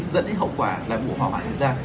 dẫn đến hậu quả là vụ hóa hoạt hiện ra